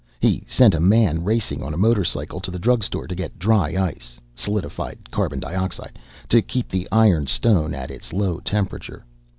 He sent a man racing on a motorcycle to the drug store to get dry ice (solidified carbon dioxide) to keep the iron stone at its low temperature.